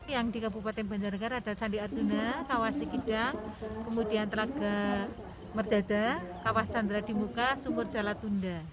yang di kabupaten bandarengar ada candi arjuna kawas sekidang kemudian telaga merdada kawas candra di muka sumur jalatunda